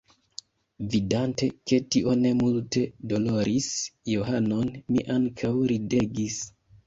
Vidante ke tio ne multe doloris Johanon, mi ankaŭ ridegis.